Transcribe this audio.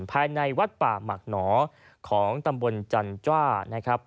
ภายในวัดป่าหมักหนอของตำบลจันจ้านะครับ